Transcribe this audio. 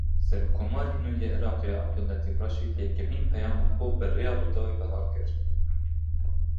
Serokkomarê nû yê Iraqê Ebduletîf Reşîd yekemîn peyama xwe bi rêya Rûdawê belav kir.